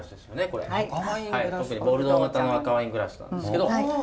ボルドー型の赤ワイングラスなんですけど。